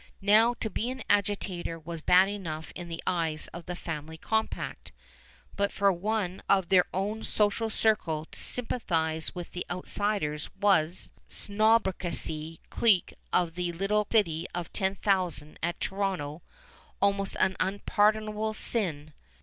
Now to be an agitator was bad enough in the eyes of "the family compact," but for one of their own social circle to sympathize with the outsiders was, to the snobocracy clique of the little city of ten thousand at Toronto, almost an unpardonable sin.